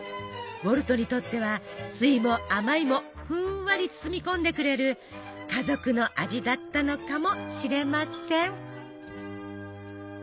ウォルトにとっては酸いも甘いもふんわり包み込んでくれる家族の味だったのかもしれません。